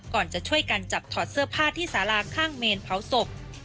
ก่อนจะช่วยกันจับถอดเสื้อผ้าที่สาราข้างเมนเผาศพ